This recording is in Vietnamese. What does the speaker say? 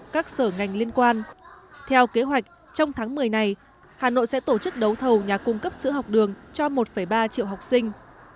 các sở ngành liên quan theo kế hoạch trong tháng một mươi này hà nội sẽ tổ chức đấu thầu nhà cung cấp sữa học đường cho một ba triệu học sinh